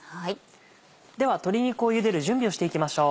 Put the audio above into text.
では鶏肉をゆでる準備をしていきましょう。